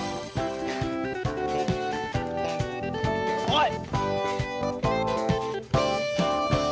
おい！